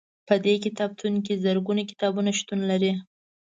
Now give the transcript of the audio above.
په دې کتابتون کې زرګونه کتابونه شتون لري.